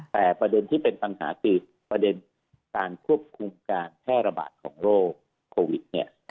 แต่ประเด็นที่เป็นปัญหาคือประเด็นการควบคุมการแพร่ระบาดของโรคโควิดเนี่ย